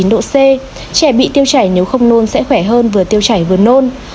trẻ bị tiêu chảy nếu không nôn sẽ khỏe hơn vừa tiêu chảy vừa nôn